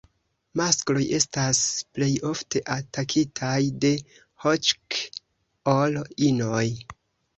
Maskloj estas plej ofte atakitaj de HĈK ol inoj.